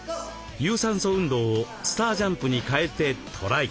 有酸素運動をスター・ジャンプに変えてトライ。